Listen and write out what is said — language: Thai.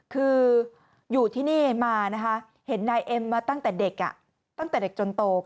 คืออยู่ที่นี่มานะฮะเห็นนายเอ็มมาตั้งแต่เด็ก